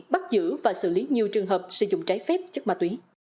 bắt giữ và xử lý nhiều trường hợp sử dụng trái phép chất ma túy